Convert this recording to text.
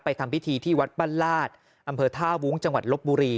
ทำพิธีที่วัดบ้านลาดอำเภอท่าวุ้งจังหวัดลบบุรี